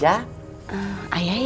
ayah yakin mau beli